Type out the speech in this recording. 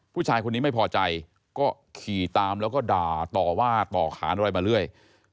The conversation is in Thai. ผู้ชายคนนี้ไม่พอใจก็ขี่ตามแล้วก็ด่าต่อว่าต่อขานอะไรมาเรื่อย